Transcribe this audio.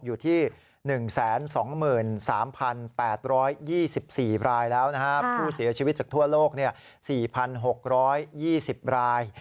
อยู่ที่๑๒๓๘๒๔รายแล้วนะครับผู้เสียชีวิตจากทั่วโลก๔๖๒๐ราย